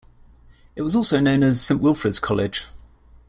It was also known as "Saint Wilfrid's College".